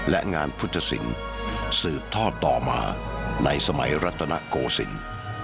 และงานพุทธศิลป์สืบทอดต่อมาในสมัยรัตนโกศิลป์